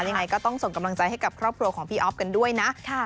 ยังไงก็ต้องส่งกำลังใจให้กับครอบครัวของพี่อ๊อฟกันด้วยนะ